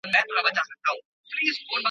تاسو باید د کلتوري ارزښتونو ساتنه وکړئ.